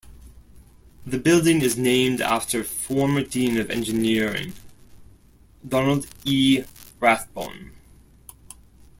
The building is named after former dean of Engineering, Donald E. Rathbone.